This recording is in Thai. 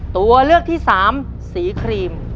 ตัวเลือกที่สามสีครีม